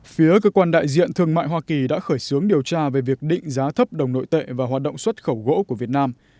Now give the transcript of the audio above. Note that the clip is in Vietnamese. phía cơ quan đại diện thương mại hoa kỳ đã khởi xướng điều tra về việc định giá thấp đồng nội tệ và hoạt động xuất khẩu gỗ của việt nam